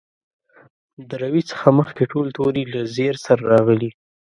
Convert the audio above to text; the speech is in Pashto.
د روي څخه مخکې ټول توري له زېر سره راغلي.